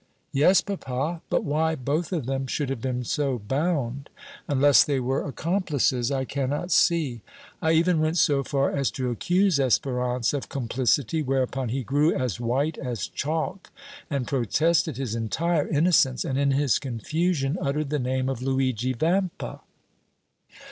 "Yes, papa; but why both of them should have been so bound, unless they were accomplices, I cannot see; I even went so far as to accuse Espérance of complicity, whereupon he grew as white as chalk and protested his entire innocence, and in his confusion uttered the name of Luigi Vampa."